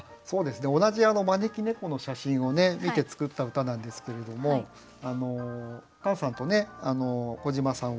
同じ招き猫の写真を見て作った歌なんですけれどもカンさんと小島さんは飲んじゃうと。